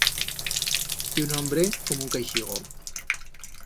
Ye un hombre como un caixigo.